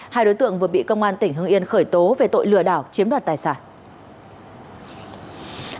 hai đối tượng vừa bị công an tỉnh hưng yên khởi tố về tội lừa đảo chiếm đoạt tài sản